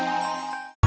terima kasih untuk semua